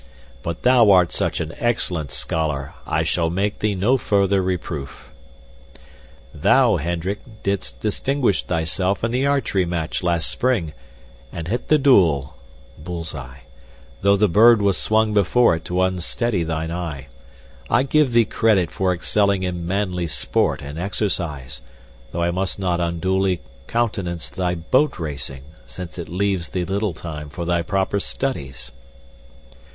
"But thou art such an excellent scholar, I shall make thee no further reproof." "Thou, Hendrick, didst distinguish thyself in the archery match last spring, and hit the Doel *{Bull's eye.} though the bird was swung before it to unsteady thine eye. I give thee credit for excelling in manly sport and exercise, though I must not unduly countenance thy boat racing, since it leaves thee little time for thy proper studies.